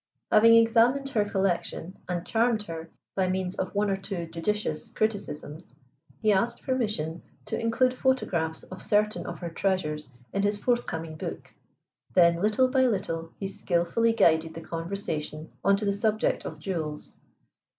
Having examined her collection, and charmed her by means of one or two judicious criticisms, he asked permission to include photographs of certain of her treasures in his forthcoming book, then little by little he skillfully guided the conversation on to the subject of jewels.